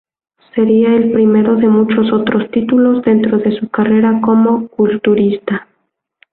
Sería el primero de muchos otros títulos dentro de su carrera como culturista.